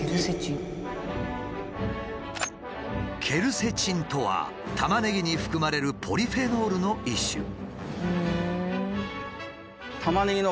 ケルセチンとはタマネギに含まれるポリフェノールの一種。